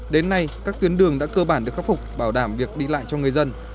đến nay các tuyến đường đã cơ bản được khắc phục bảo đảm việc đi lại cho người dân